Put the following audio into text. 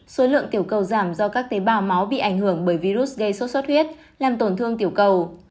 số lượng tiểu cầu giảm do các tế bào máu bị ảnh hưởng bởi virus gây sốt xuất huyết làm tổn thương tiểu cầu